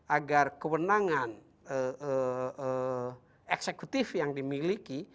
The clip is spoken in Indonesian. agar kewenangan eksekutif yang dimiliki